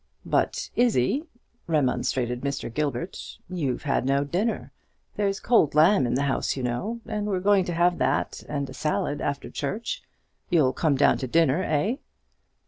"But, Izzie," remonstrated Mr. Gilbert, "you've had no dinner. There's cold lamb in the house, you know; and we're going to have that and a salad after church. You'll come down to dinner, eh?"